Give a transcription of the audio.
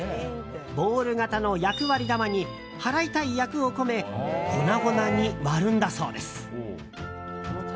ボール型の厄割玉にはらいたい厄を込め粉々に割るんだそうです。